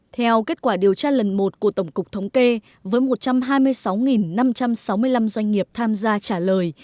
theo kết quả điều tra lần một của tổng cục thống kê với một trăm hai mươi sáu năm trăm sáu mươi năm doanh nghiệp tham gia trả lời